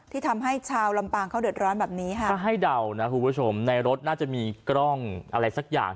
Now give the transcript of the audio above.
ที่ทำให้ชาวลำปางเขาเดือดร้อนแบบนี้ค่ะถ้าให้เดานะคุณผู้ชมในรถน่าจะมีกล้องอะไรสักอย่าง